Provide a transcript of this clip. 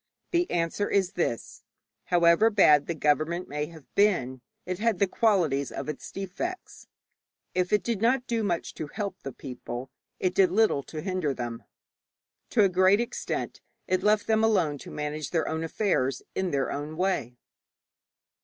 The answer is this: However bad the government may have been, it had the qualities of its defects. If it did not do much to help the people, it did little to hinder them. To a great extent it left them alone to manage their own affairs in their own way.